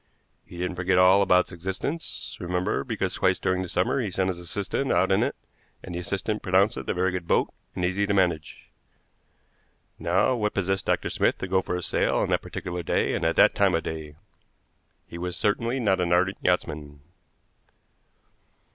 He didn't forget all about its existence, remember, because twice during the summer he sent his assistant out in it, and the assistant pronounces it a very good boat and easy to manage. Now, what possessed Dr. Smith to go for a sail on that particular day and at that time of the day? He was certainly not an ardent yachtsman."